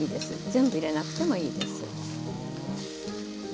全部入れなくてもいいです。